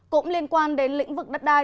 cũng liên quan đến lĩnh vực đất đai